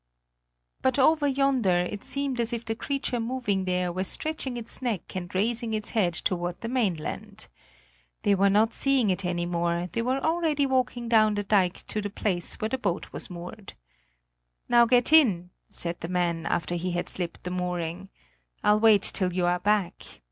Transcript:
But over yonder it seemed as if the creature moving there were stretching its neck and raising its head toward the mainland. They were not seeing it any more; they were already walking down the dike to the place where the boat was moored. "Now get in," said the man, after he had slipped the mooring. "I'll wait till you are back.